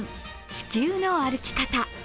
「地球の歩き方」。